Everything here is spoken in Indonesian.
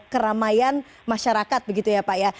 keramaian masyarakat begitu ya pak ya